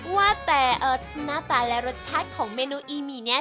ว่าแต่หน้าตาและรสชาติของเมนูอีหมี่นี้